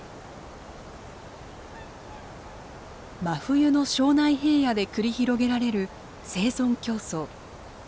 真冬の庄内平野で繰り広げられる生存競争。